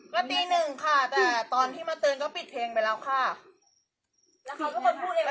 ก็ตีหนึ่งค่ะแต่ตอนพี่มาเตินก็ปิดเพลงไปแล้วค่ะ